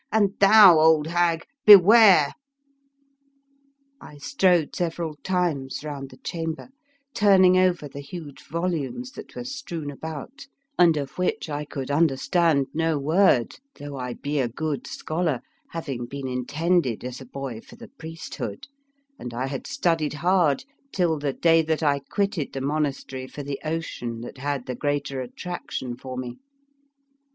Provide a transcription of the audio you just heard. " And thou, old hag, beware!" I strode several times round the chamber, turning over the huge vol umes that were strewn about and of which I could understand no word, 51 The Fearsome Island though I be a good scholar, having been intended as a boy for the priest hood, and I had studied hard till the day that I quitted the monastery for the ocean that had the greater attrac tion for me.